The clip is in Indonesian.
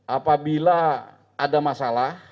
apabila ada masalah